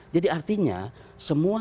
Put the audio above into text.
jadi artinya semua